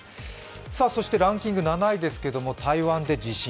そしてランキング７位ですけれども、台湾で地震。